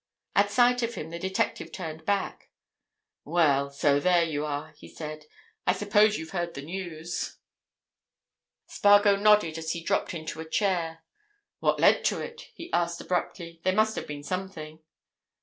At sight of him, the detective turned back. "Well, so there you are!" he said. "I suppose you've heard the news?" Spargo nodded as he dropped into a chair. "What led to it?" he asked abruptly. "There must have been something."